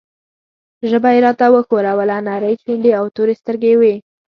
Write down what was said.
ژبه یې راته وښوروله، نرۍ شونډې او تورې سترګې یې وې.